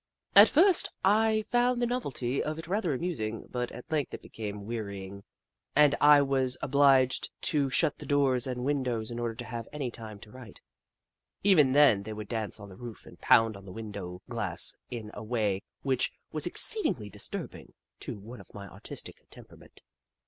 At first I found the novelty of it rather amusing, but at length it became wearing, and I was obliged to shut the doors and windows in order to have any time to write. Even then, they would dance on the roof and pound on the window glass in a way which was exceedingly disturbing to one of my artistic temperament.